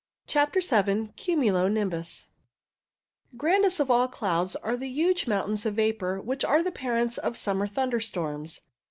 CHAPTER Vll CUMULO NIMBUS Grandest of all clouds are the huge mountains of vapour which are the parents of summer thunder storms.